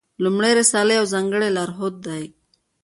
لومړۍ رساله یو ځانګړی لارښود دی.